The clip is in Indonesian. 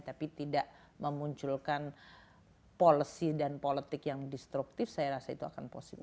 tapi tidak memunculkan policy dan politik yang destruktif saya rasa itu akan positif